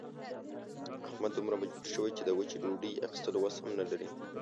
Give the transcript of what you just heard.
احمد دومره مجبور شوی چې د وچې ډوډۍ اخستلو وس هم نه لري.